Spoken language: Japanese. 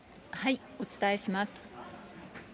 お伝えします。